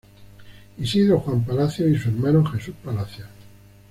Isidro-Juan Palacios y su hermano Jesús Palacios.